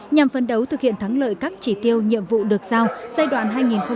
nhằm phấn đấu thực hiện thắng lợi các chỉ tiêu nhiệm vụ được giao giai đoạn hai nghìn hai mươi hai nghìn hai mươi năm